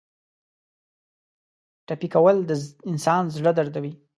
ټپي کول د انسان زړه دردوي.